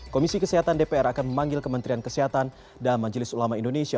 komisi kesehatan dpr akan memanggil kementerian kesehatan dan majelis ulama indonesia